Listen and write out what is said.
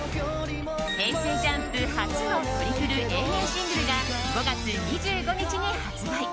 ＪＵＭＰ初のトリプルＡ面シングルが５月２５日に発売。